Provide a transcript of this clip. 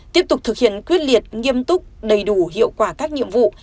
tiếp tục thực hiện quyết liệt nghiêm túc đầy đủ hiệu quả các nhiệm vụ